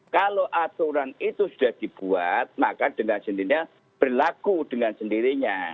kalau aturan itu sudah dibuat maka dengan sendirinya berlaku dengan sendirinya